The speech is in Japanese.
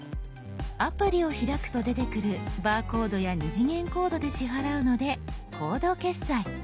アプリを開くと出てくるバーコードや２次元コードで支払うので「コード決済」。